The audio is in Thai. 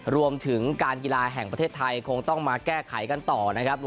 รวมถึงการกีฬาแห่งประเทศไทยคงต้องมาแก้ไขกันต่อนะครับ